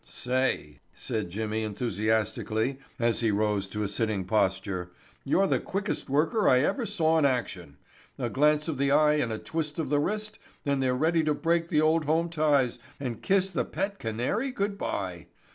"Say," said Jimmy enthusiastically, as he rose to a sitting posture, "you're the quickest worker I ever saw in action. A glance of the eye and a twist of the wrist and they're ready to break the old home ties and kiss the pet canary good bye.